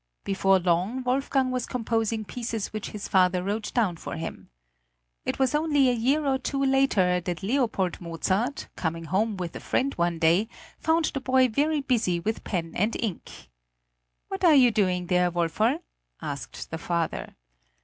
Before long Wolfgang was composing pieces which his father wrote down for him. It was only a year or two later that Leopold Mozart, coming home with a friend one day, found the boy very busy with pen and ink. "What are you doing there, Woferl?" asked the father.